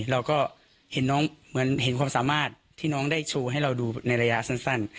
เราก็เห็นน้องเหมือนเห็นความสามารถที่น้องได้โชว์ให้เราดูในระยะสั้น